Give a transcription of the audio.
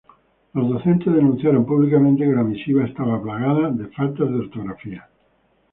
Los docentes denunciaron públicamente que la misiva estaba plagada de faltas de ortografía.